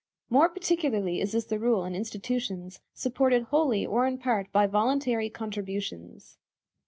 More particularly is this the rule in institutions supported wholly or in part by voluntary contributions.